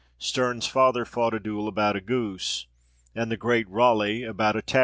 Sterne's father fought a duel about a goose; and the great Raleigh about a tavern bill.